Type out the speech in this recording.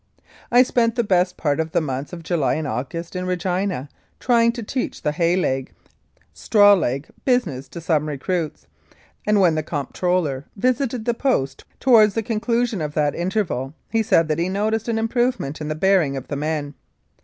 I spent the best part of the months of July and August in Regina trying to teach the "hay leg "" straw leg " business to some recruits, and when the Comp troller visited the Post towards the conclusion of that interval, he said that he noticed an improvement in the bearing of the men.